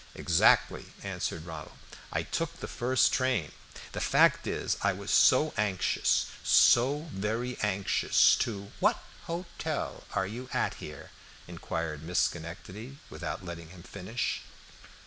"Exactly," answered Ronald. "I took the first train. The fact is, I was so anxious so very anxious to" "What hotel are you at here?" inquired Miss Schenectady, without letting him finish.